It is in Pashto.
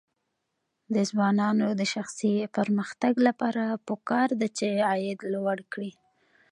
د ځوانانو د شخصي پرمختګ لپاره پکار ده چې عاید لوړ کړي.